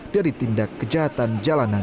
dari tindak kejahatan jalanan